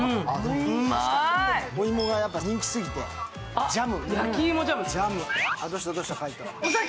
お芋が人気すぎて、ジャム。